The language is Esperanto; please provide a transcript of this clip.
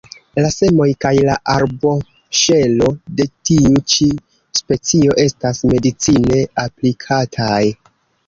La semoj kaj la arboŝelo de tiu ĉi specio estas medicine aplikataj.